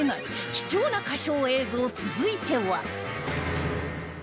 貴重な歌唱映像続いては